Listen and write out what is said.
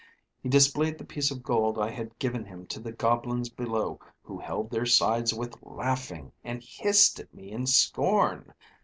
He displayed the piece of gold I had given him to the goblins below, who held their sides with laughing and hissed at me in scorn.